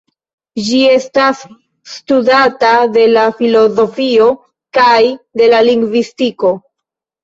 Ĝi estas studata de la filozofio kaj de la lingvistiko.